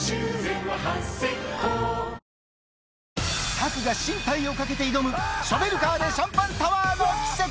拓が進退をかけて挑む、ショベルカーでシャンパンタワーの奇跡。